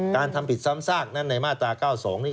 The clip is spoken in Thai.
การทำผิดซ้ำซากนั้นในมาตรา๙๒นี่